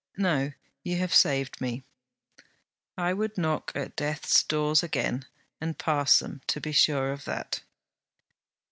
'No; you have saved me.' 'I would knock at death's doors again, and pass them, to be sure of that.'